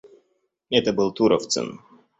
Это был Туровцын.